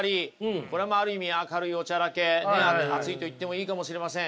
これはまあある意味明るいおちゃらけ熱いといってもいいかもしれません。